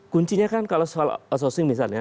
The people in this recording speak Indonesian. kuncinya kan kalau soal outsourcing misalnya